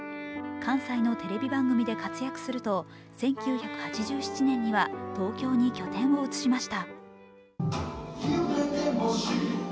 関西のテレビ番組で活躍すると、１９８７年には東京に拠点を移しました。